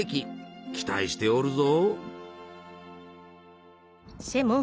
期待しておるぞ。